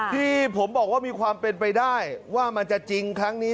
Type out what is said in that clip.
ที่ผมบอกว่ามีความเป็นไปได้ว่ามันจะจริงครั้งนี้